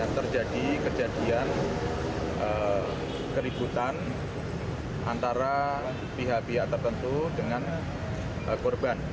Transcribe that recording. terjadi kejadian keributan antara pihak pihak tertentu dengan korban